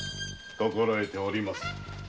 心得ております。